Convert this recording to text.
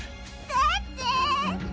だってぇ。